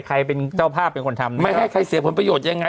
ใครเป็นเจ้าภาพเป็นคนทำไม่ให้ใครเสียผลประโยชน์ยังไง